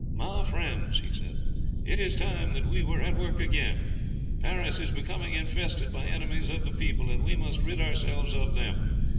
"My friends," he said, "it is time that we were at work again. Paris is becoming infested by enemies of the people, and we must rid ourselves of them.